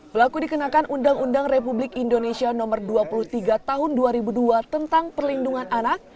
pelaku dikenakan undang undang republik indonesia nomor dua puluh tiga tahun dua ribu dua tentang perlindungan anak